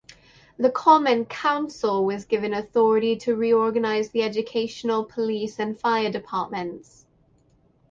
The common council was given authority to reorganize the educational, police, and fire departments.